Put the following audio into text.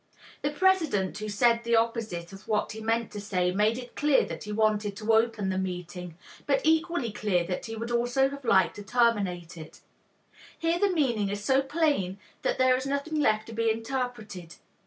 The president who said the opposite of what he meant to say made it clear that he wanted to open the meeting, but equally clear that he would also have liked to terminate it. Here the meaning is so plain that there is nothing left to be interpreted.